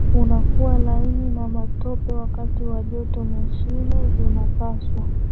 unakuwa laini na matope wakati wa joto mashine zinapaswa